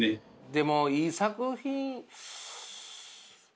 でもいい作品ねっ